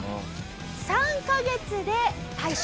３カ月で退所。